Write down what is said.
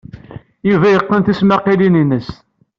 Yuba yeqqen tismaqqalin-nnes.